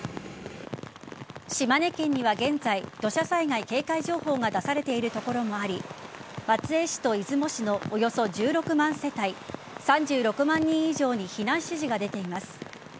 島根県には現在土砂災害警戒情報が出されている所もあり松江市と出雲市のおよそ１６万世帯３６万人以上に避難指示が出ています。